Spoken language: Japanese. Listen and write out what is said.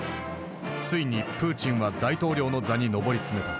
ついにプーチンは大統領の座に上り詰めた。